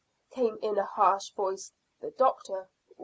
came in a harsh voice. "The doctor."